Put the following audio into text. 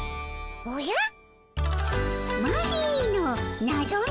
おや？